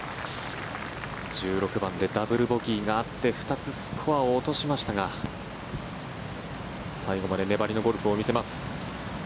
１６番でダブルボギーがあって２つスコアを落としましたが最後まで粘りのゴルフを見せます。